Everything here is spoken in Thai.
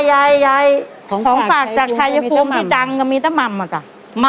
ของฝากจากชายภูมิที่ดังก็มีแต่มัมอ่ะจ้ะ